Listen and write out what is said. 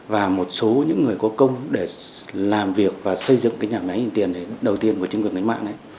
và một số những người có công để làm việc và xây dựng cái nhà máy in tiệc đầu tiên của chính quyền cách mạng